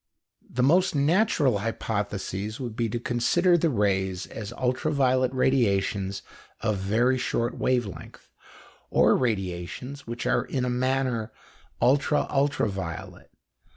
The most natural hypothesis would be to consider the rays as ultra violet radiations of very short wave length, or radiations which are in a manner ultra ultra violet.